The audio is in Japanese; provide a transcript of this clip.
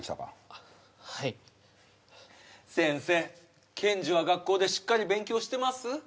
あっはい先生ケンジは学校でしっかり勉強してます？